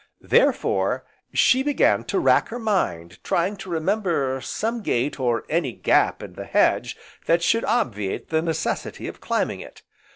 Therefore she began to rack her mind trying to remember some gate, or any gap in the hedge that should obviate the necessity of climbing it.